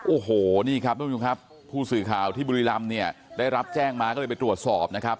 โอ้โหนี่ครับทุกผู้ชมครับผู้สื่อข่าวที่บุรีรำเนี่ยได้รับแจ้งมาก็เลยไปตรวจสอบนะครับ